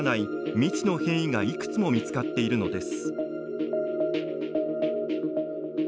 未知の変異がいくつも見つかっているのです。